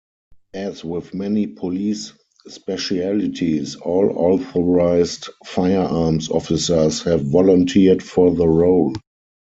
As with many police specialities, all Authorised Firearms Officers have volunteered for the role.